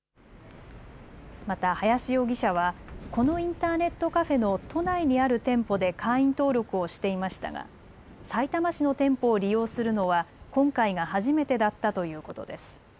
また林容疑者はこのインターネットカフェの都内にある店舗で会員登録をしていましたがさいたま市の店舗を利用するのは今回が初めてだったということです。